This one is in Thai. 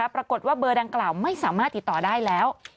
ปรากฏว่าเบอร์ดังกล่าวไม่สามารถติดต่อได้แล้ว